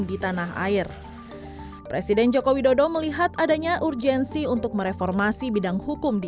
di tanah air presiden joko widodo melihat adanya urgensi untuk mereformasi bidang hukum di